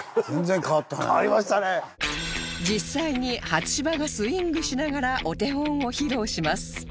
実際に初芝がスイングしながらお手本を披露します